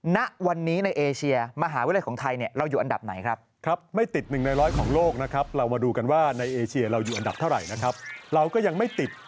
ณวันนี้ในเอเชียมหาวิทยาลัยของไทยเราอยู่อันดับไหนครับ